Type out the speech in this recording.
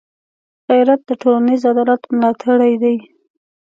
غیرت د ټولنيز عدالت ملاتړی دی